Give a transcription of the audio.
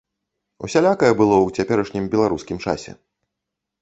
Усялякае было ў цяперашнім беларускім часе.